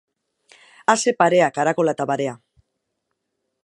A ze parea, karakola eta barea.